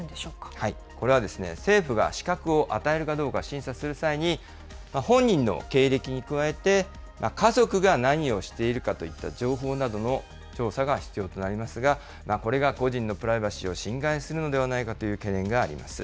これは政府が資格を与えるかどうか審査する際に、本人の経歴に加えて、家族が何をしているかといった情報などの調査が必要となりますが、これが個人のプライバシーを侵害するのではないかという懸念があります。